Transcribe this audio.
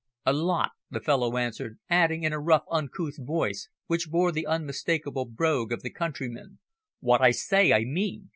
"A lot," the fellow answered, adding in a rough, uncouth voice which bore the unmistakable brogue of the countryman, "What I say I mean.